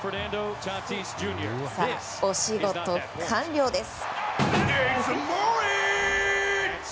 お仕事完了です！